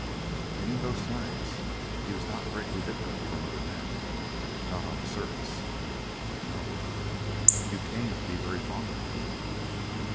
"And in those times he was not greatly different from other men. Not on the surface." "No." "You came to be very fond of him."